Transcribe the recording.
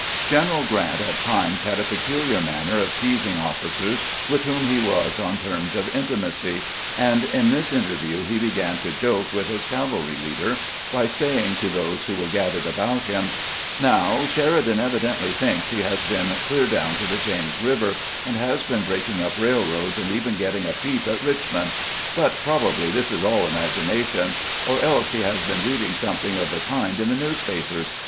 General Grant at times had a peculiar manner of 144 CAMPAIGNING WITH GBANT teasing ofl&eers with whom he was on terms of intimacy, and in this interview he began to joke with his cavalry leader by saying to those who were gathered about him :" Now, Sheridan evidently thinks he has been clear down to the James River, and has been breaking up railroads, and even getting a peep at Eichmond; but probably this is all imagination, or else he has been reading something of the kind in the newspapers.